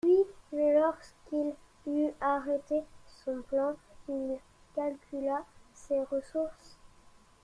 Puis, lorsqu'il eut arrêté son plan, il calcula ses ressources.